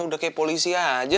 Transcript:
udah kayak polisi aja